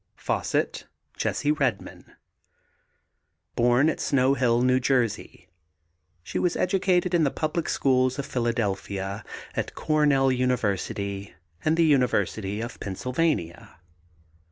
FAUSET, JESSIE REDMON. Born at Snow Hill, New Jersey. She was educated in the public schools of Philadelphia, at Cornell University and the University of Pennsylvania.